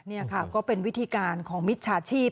นี่ค่ะก็เป็นวิธีการของมิจฉาชีพ